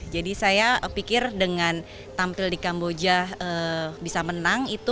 saya pikir dengan tampil di kamboja bisa menang